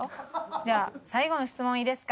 じゃあ最後の質問いいですか？